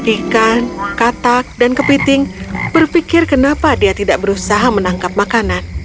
ikan katak dan kepiting berpikir kenapa dia tidak berusaha menangkap makanan